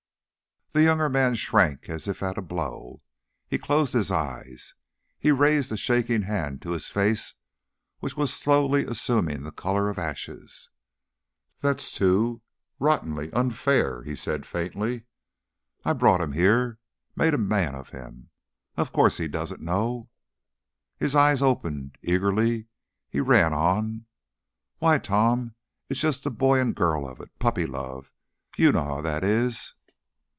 The younger man shrank as if at a blow. He closed his eyes; he raised a shaking hand to his face, which was slowly assuming the color of ashes. "That's too rottenly unfair!" he said, faintly. "I brought him here made a man of him. Of course he doesn't know " His eyes opened; eagerly he ran on: "Why, Tom, it's just the boy and girl of it! Puppy love! You know how that is."